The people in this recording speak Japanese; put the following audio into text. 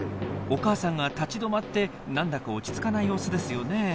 お母さんが立ち止まってなんだか落ち着かない様子ですよね？